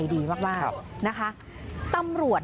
คุณผู้ชมคุณผู้ชมคุณผู้ชม